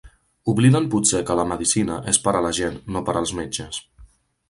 Obliden potser que la medicina és per a la gent, no per als metges.